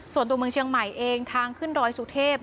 ส่วนตัวเมืองเชียงใหม่เองทางขึ้นดอยสุเทพ